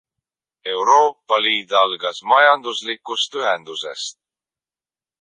Euroopa Liit algas majanduslikust ühendusest.